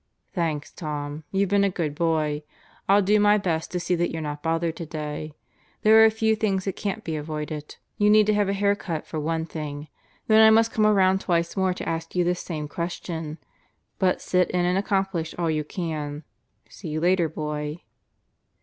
"Thanks, Tom. You've been a good boy. I'll do my best to see that you're not bothered today. There are a few things that can't be avoided. You need a haircut for one thing. Then I must come around twice more to ask this same question. But sit in and accomplish all you can. See you later, boy."